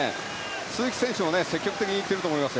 鈴木選手も積極的にいっていると思います。